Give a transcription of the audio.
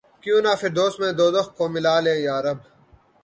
کیوں نہ فردوس میں دوزخ کو ملا لیں یارب!